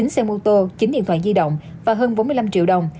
chín xe mô tô chín điện thoại di động và hơn bốn mươi năm triệu đồng